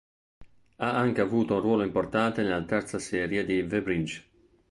Ha anche avuto un ruolo importante nella terza serie di "The Bridge".